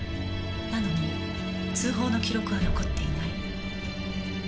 なのに通報の記録は残っていない。